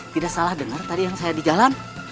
tidak salah dengar tadi yang saya di jalan